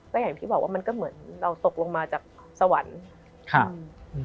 ก็อย่างที่บอกว่ามันก็เหมือนเราตกลงมาจากสวรรค์ครับ